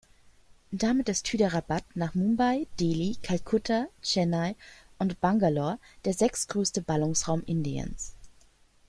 Damit ist Hyderabad nach Mumbai, Delhi, Kalkutta, Chennai und Bangalore der sechstgrößte Ballungsraum Indiens.